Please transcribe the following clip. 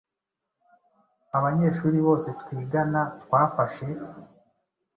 Abanyeshuri bose twigana twafashe